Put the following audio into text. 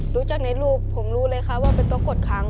รู้จักในรูปผมรู้เลยว่าเป็นตัวกดคัง